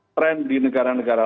tren di negara negara